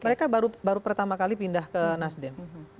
mereka baru pertama kali pindah ke nasdem